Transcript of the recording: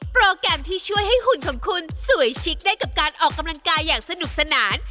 โปรแกรมที่ช่วยให้หุ่นของคุณสวยชิคได้กับการออกกำลังกายอย่างสนุกสนาน